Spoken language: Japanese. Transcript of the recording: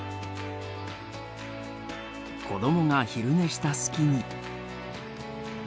子どもが昼寝した隙に。